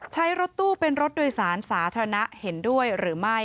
ใช้รถตู้เป็นรถโดยสารสาธารณะเห็นด้วยหรือไม่